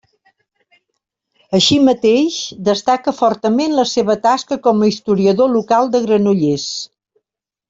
Així mateix, destaca fortament la seva tasca com a historiador local de Granollers.